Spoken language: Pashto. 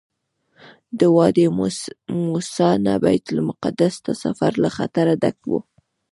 د وادي موسی نه بیت المقدس ته سفر له خطره ډک وو.